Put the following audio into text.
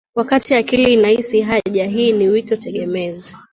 Wakati akili inahisi haja hii ni wito tegemezi